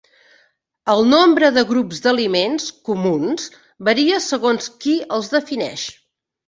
El nombre de grups d'aliments "comuns" varia segons qui els defineix.